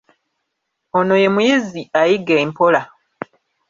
Oyo ye muyizi ayiga empola.